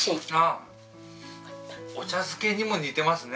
お茶漬けにも似てますね。